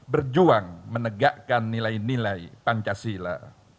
berjuang menegakkan nilai nilai pancasila